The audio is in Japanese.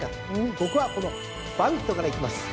僕はこのバビットからいきます！